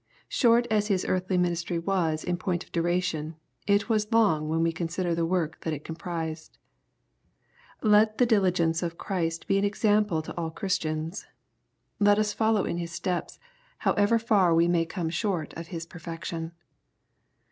*' Short as Hie earthly ministry was in point of duration, it was long when we consider the work that it comprised. Let the diligence of Christ be an example to all Chris tians. Let us follow in His steps, however far we may 244 EXPOSITORY THOUGHTS. come short c»f His perfection.